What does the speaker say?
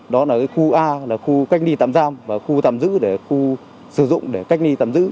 đó là khu a là khu cách ly tạm giam và khu tạm giữ để khu sử dụng để cách ly tạm giữ